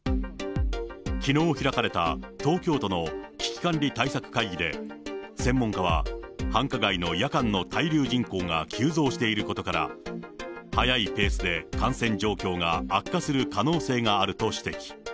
きのう開かれた東京都の危機管理対策会議で、専門家は繁華街の夜間の滞留人口が急増していることから、速いペースで感染状況が悪化する可能性があると指摘。